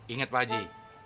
ingat pak haji